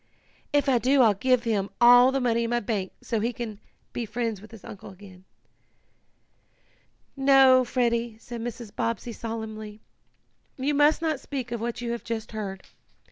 "If I do I'll give him all the money in my bank so he can be friends with his uncle again." "No, Freddie," said Mrs. Bobbsey solemnly. "You must not speak of what you have just heard.